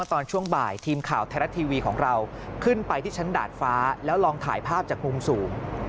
ตอนช่วงบ่ายทีมข่าวไทยรัฐทีวีของเราขึ้นไปที่ชั้นดาดฟ้าแล้วลองถ่ายภาพจากมุมสูง